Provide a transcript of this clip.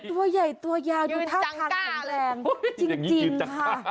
ตัวใหญ่ตัวยาวดูท่าทางแรงจริงค่ะ